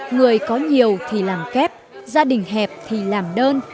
người có nhiều thì làm kép gia đình hẹp thì làm đơn